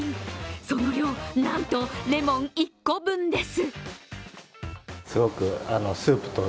その量、なんとレモン１個分です。